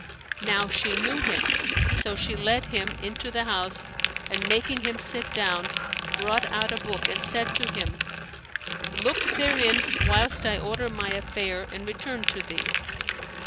Now she knew him; so she led him into the house and, making him sit down, brought out a book and said to him, "Look therein whilst I order my affair and return to thee."